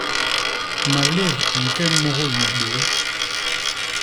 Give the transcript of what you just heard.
Malét a ñke môhôl me béé.